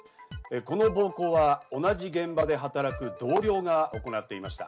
この暴行は同じ現場で働く同僚が行っていました。